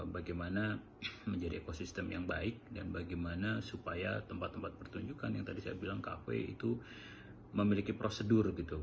bagaimana menjadi ekosistem yang baik dan bagaimana supaya tempat tempat pertunjukan yang tadi saya bilang cafe itu memiliki prosedur gitu